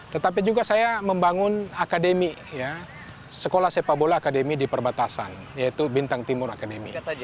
tetapi juga saya membangun akademi sekolah sepak bola akademi di perbatasan yaitu bintang timur akademi